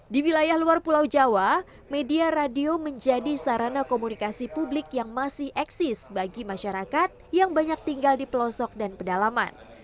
di wilayah luar pulau jawa media radio menjadi sarana komunikasi publik yang masih eksis bagi masyarakat yang banyak tinggal di pelosok dan pedalaman